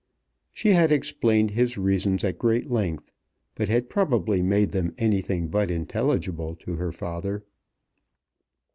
She had explained his reasons at great length, but had probably made them anything but intelligible to her father.